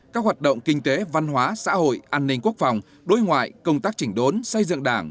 các hoạt động kinh tế văn hóa xã hội an ninh quốc phòng đối ngoại công tác chỉnh đốn xây dựng đảng